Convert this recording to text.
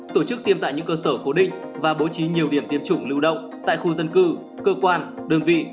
tổ chức tiêm tại những cơ sở cố định và bố trí nhiều điểm tiêm chủng lưu động tại khu dân cư cơ quan đơn vị